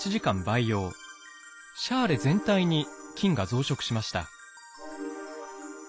シャーレ全体に菌が増殖しました。